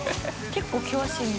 結構険しい道。